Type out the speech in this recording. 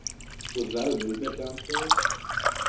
Was that a movement downstairs?